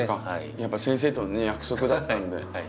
やっぱ先生との約束だったんで。